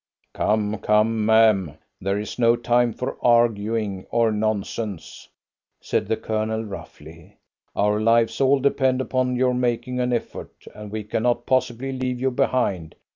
"Come, come, ma'am, there is no time for arguing, or nonsense," said the Colonel roughly. "Our lives all depend upon your making an effort, and we cannot possibly leave you behind."